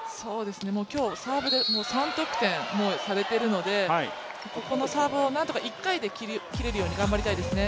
もう今日、サーブで３得点もされているのでここのサーブを何とか１回で切れるように頑張りたいですね。